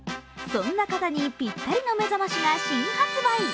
そんな方にぴったりの目覚ましが新発売。